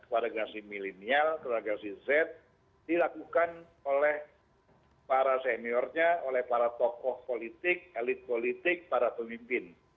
para generasi milenial generasi z dilakukan oleh para seniornya oleh para tokoh politik elit politik para pemimpin